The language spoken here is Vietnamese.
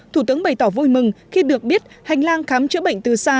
thủ tướng bày tỏ vui mừng khi được biết hành lang khám chữa bệnh từ xa